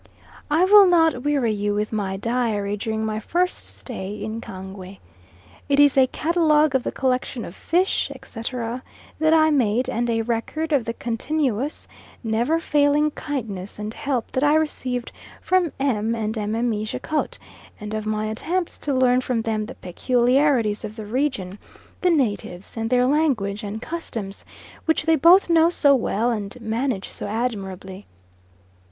I will not weary you with my diary during my first stay at Kangwe. It is a catalogue of the collection of fish, etc., that I made, and a record of the continuous, never failing kindness and help that I received from M. and Mme. Jacot, and of my attempts to learn from them the peculiarities of the region, the natives, and their language and customs, which they both know so well and manage so admirably.